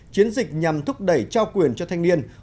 chiến dịch nhằm thúc đẩy trao quyền cho thanh niên